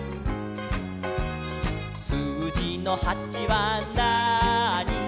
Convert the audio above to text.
「すうじの８はなーに」